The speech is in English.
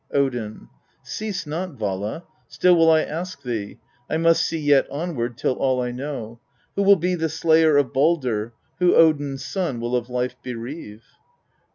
Odin. 8. 'Cease not, Vala ! still will I ask thee, I must see yet onward till all I know : who will be the slayer of Baldr, who Odin's son will of life bereave?